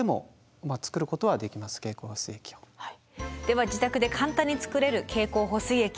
では自宅で簡単に作れる経口補水液。